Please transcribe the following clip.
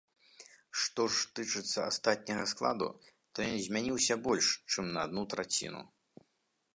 Што ж тычыцца астатняга складу, то ён змяніўся больш, чым на адну траціну.